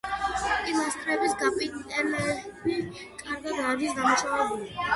პილასტრების კაპიტელები კარგად არის დამუშავებული.